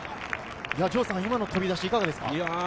今の飛び出し、いかがですか？